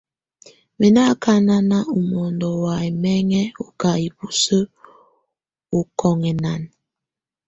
Mɛ ná ɔkana a mɔndɔ wa ɛmɛŋɛ ù ká ibùsǝ u ɔkɔŋɛna.